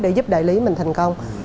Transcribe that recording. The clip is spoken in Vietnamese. để giúp đại lý mình thành công